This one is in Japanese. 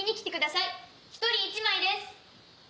一人１枚です。